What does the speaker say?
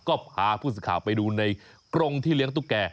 ก็พาผู้สื่อข่าวไปดูในกรงที่เลี้ยงตุ๊กแก่